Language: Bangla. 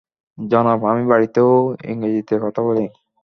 জনাব, আমি বাড়িতেও, ইংরেজি তে কথা বলি।